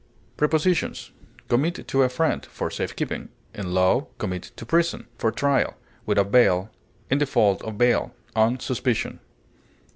Prepositions: Commit to a friend for safe keeping; in law, commit to prison; for trial; without bail; in default of bail; on suspicion.